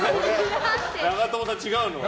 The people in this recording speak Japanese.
長友さん違うの？